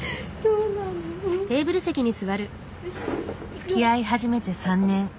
つきあい始めて３年。